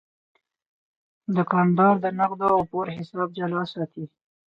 دوکاندار د نغدو او پور حساب جلا ساتي.